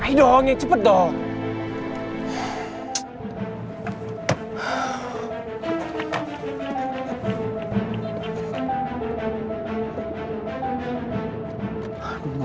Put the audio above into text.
fahri harus tau nih